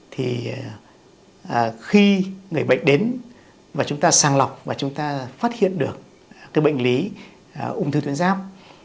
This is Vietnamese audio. thì khi người bệnh đến và chúng ta sàng lọc và chúng ta phát hiện được cái bệnh lý ung thư tuyến ráp